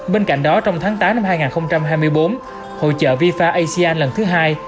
bên cạnh đó trong tháng tám năm hai nghìn hai mươi bốn hội trợ vifa asean lần thứ hai